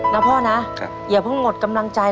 นะพ่อนะอย่าเพิ่งหมดกำลังใจ